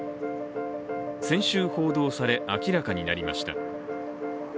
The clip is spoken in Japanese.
先週報道され、明らかになりました。